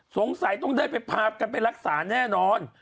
สงสัยต้องได้ผ่าไปรักษาแน่นอน